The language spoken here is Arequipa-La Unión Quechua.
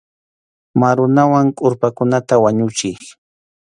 Marunawan kʼurpakunata wañuchiy.